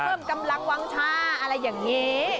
เพิ่มกำลังวางชาอะไรอย่างนี้